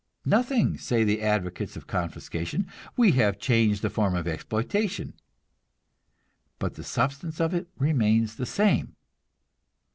Nothing, say the advocates of confiscation; we have changed the form of exploitation, but the substance of it remains the same.